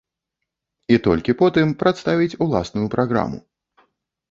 І толькі потым прадставіць уласную праграму.